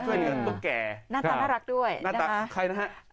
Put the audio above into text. ช่วยเหลือตุ๊กแก่หน้าตาน่ารักด้วยหน้าตาใครนะฮะ